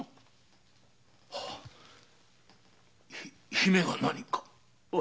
姫が何か？